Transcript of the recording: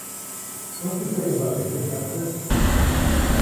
ʼÄjtsi tseʼmbaʼtsi teʼ ntataʼis.